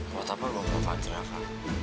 kenapa gue manfaatin repa